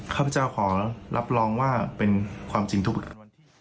ข้าพเจ้าขอรับรองว่าเป็นความจริงทุกประการ